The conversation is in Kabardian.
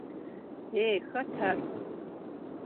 Ей, хэт ар?